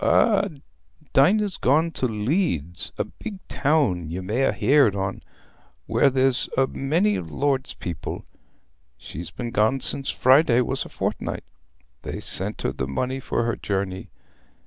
"Eh, Dinah's gone to Leeds, a big town ye may ha' heared on, where there's a many o' the Lord's people. She's been gone sin' Friday was a fortnight: they sent her the money for her journey.